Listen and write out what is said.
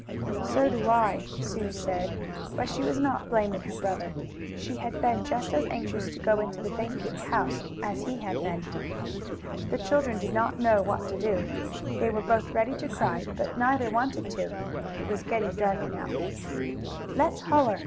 "So do I," Sue said, but she was not blaming her brother. She had been just as anxious to go into the vacant house as he had been. The children did not know what to do. They were both ready to cry, but neither Wanted to. It was getting dark now. "Let's holler!"